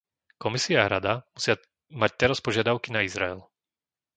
Komisia a Rada musia mať teraz požiadavky na Izrael.